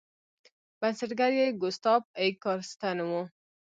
بنسټګر یې ګوسټاف ای کارستن و.